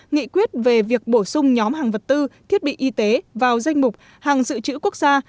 nghị quyết về việc bổ sung nhóm hàng vật tư thiết bị y tế vào danh mục hàng dự trữ quốc gia